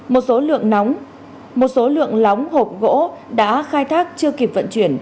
một số lượng nóng một số lượng lóng hộp gỗ đã khai thác chưa kịp vận chuyển